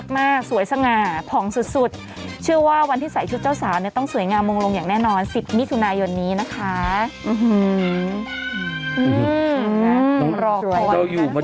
คำของเขายังอยู่ในหูอีกนะ